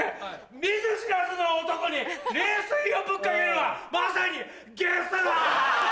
見ず知らずの男に冷水をぶっかけるわまさにゲスのうわ！